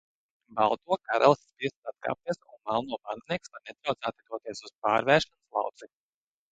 Balto karalis spiests atkāpties un melno bandinieks var netraucēti doties uz pārvēršanās lauciņu.